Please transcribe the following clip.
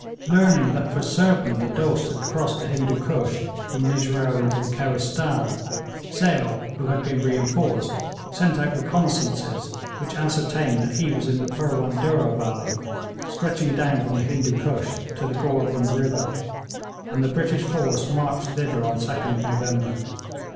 Learning that for certain the Dost had crossed the Hindoo Koosh from Nijrao into the Kohistan, Sale, who had been reinforced, sent out reconnaissances which ascertained that he was in the Purwan Durrah valley, stretching down from the Hindoo Koosh to the Gorebund river; and the British force marched thither on 2d November.